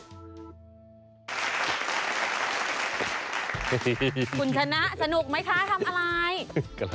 คุณชนะสนุกไหมคะทำอะไร